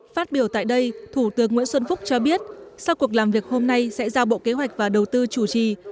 phát biểu tại đây thủ tướng nguyễn xuân phúc cho biết sau cuộc làm việc hôm nay sẽ giao bộ kế hoạch và đầu tư chủ trì